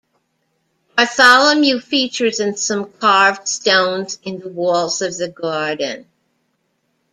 Bartholomew features in some carved stones in the walls of the garden.